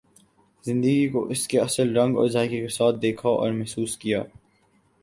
زندگی کو اس کے اصل رنگ اور ذائقہ کے ساتھ دیکھا اور محسوس کیا۔